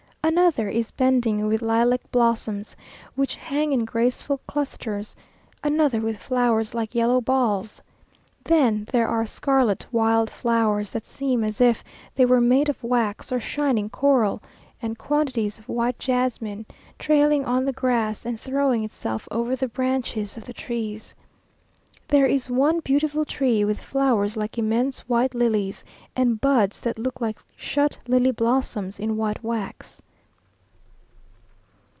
Another is bending with lilac blossoms, which hang in graceful clusters another with flowers like yellow balls. Then there are scarlet wild flowers, that seem as if they were made of wax or shining coral, and quantities of white jasmine, trailing on the grass, and throwing itself over the branches of the trees. There is one beautiful tree, with flowers like immense white lilies, and buds that look like shut lily blossoms in white wax.